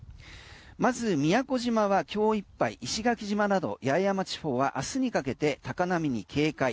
まず宮古島は今日いっぱい石垣島など八重山地方はあすにかけて高波に警戒。